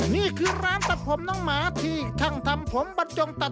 นี่คือร้านตัดผมน้องหมาที่ช่างทำผมบรรจงตัด